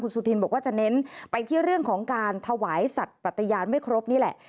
สุธินบอกว่าจะเน้นไปที่เรื่องของการถวายสัตว์ปฏิญาณไม่ครบนี่แหละ